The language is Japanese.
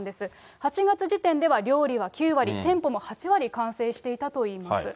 ８月時点では料理は９割、店舗も８割完成していたといいます。